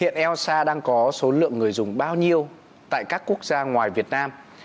hiện elsa đang có số lượng người dùng bao nhiêu tại các quốc gia ngoài việt nam